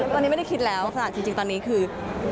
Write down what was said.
ตอนนี้ไม่ได้คิดแล้วขนาดจริงตอนนี้คือ